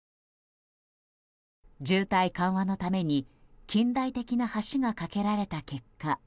渋滞緩和のために近代的な橋が架けられた結果